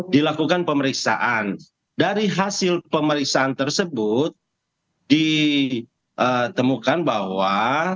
dilakukan pemeriksaan dari hasil pemeriksaan tersebut ditemukan bahwa